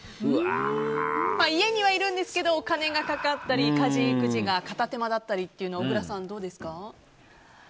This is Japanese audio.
家にはいるんですけどお金がかかったり、家事・育児が片手間だったりというの小倉さん、どうですか。